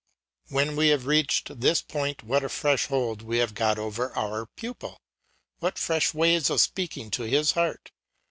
When we have reached this point, what a fresh hold we have got over our pupil; what fresh ways of speaking to his heart!